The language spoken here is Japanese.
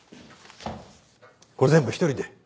これ全部一人で？